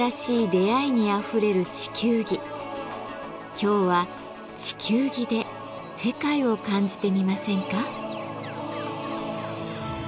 今日は地球儀で世界を感じてみませんか。